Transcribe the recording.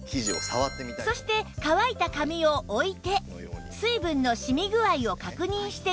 そして乾いた紙を置いて水分の染み具合を確認してみると